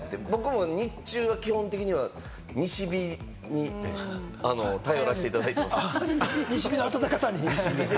僕も日中、基本的には西日に頼らせていただいてます。